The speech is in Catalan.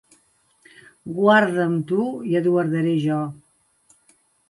Guarda'm tu i et guardaré jo.